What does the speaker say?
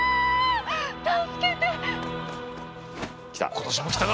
今年も来たな！